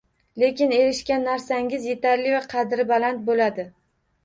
Lekin erishgan narsangiz yetarli va qadri baland boʻladi.